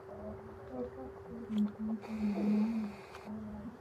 Crawford pulled in front late, and won by four yards.